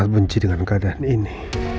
aku sangat benci dengan keadaan ini